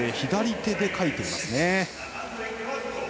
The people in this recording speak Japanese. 左手でかいていますね。